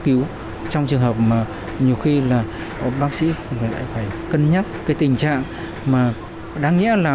cứu trong trường hợp mà nhiều khi là bác sĩ lại phải cân nhắc cái tình trạng mà đáng nghĩa là